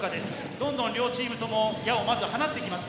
どんどん両チームとも矢をまず放ってきます。